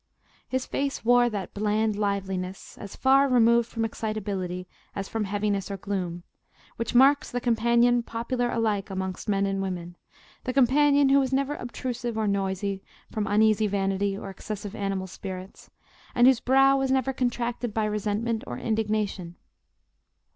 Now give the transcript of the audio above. His face wore that bland liveliness, as far removed from excitability as from heaviness or gloom, which marks the companion popular alike amongst men and women—the companion who is never obtrusive or noisy from uneasy vanity or excessive animal spirits, and whose brow is never contracted by resentment or indignation.